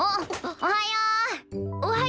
おはよう。